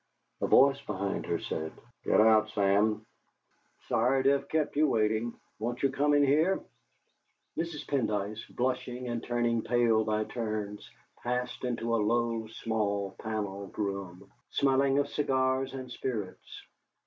A voice behind her said: "Get out, Sam! Sorry to have kept you waiting. Won't you come in here?" Mrs. Pendyce, blushing and turning pale by turns, passed into a low, small, panelled room, smelling of cigars and spirits.